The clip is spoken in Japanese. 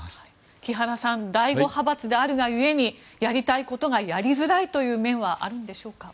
木原さん第５派閥であるが故にやりたいことがやりづらい面はあるのでしょうか。